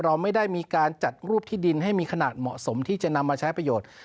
เราไม่ได้มีการจัดรูปที่ดินให้มีขนาดเหมาะสมที่จะนำมาใช้ประโยชน์